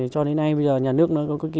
cho đến nay bây giờ nhà nước nó không có điện